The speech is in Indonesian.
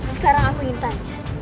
sekarang aku ingin tanya